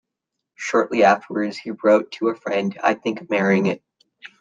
Shortly afterwards he wrote to a friend I think of marrying it.